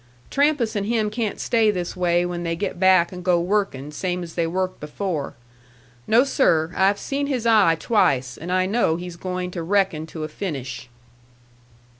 Trampas and him can't stay this way when they get back and go workin' same as they worked before. No, sir; I've seen his eye twice, and I know he's goin' to reckon to a finish."